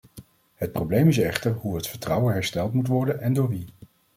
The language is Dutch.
Het probleem is echter hoe het vertrouwen hersteld moet worden en door wie.